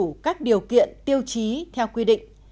bảo đảm đầy đủ các điều kiện tiêu chí theo quy định